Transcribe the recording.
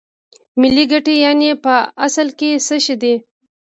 ملي ګټې یانې په اصل کې څه شی دي